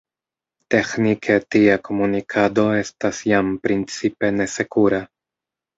Teĥnike tia komunikado estas jam principe nesekura.